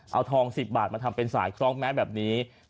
เอาทอง๑๐บาทมาทำเป็นสายคล้องแม้แบบนี้